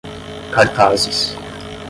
cartazes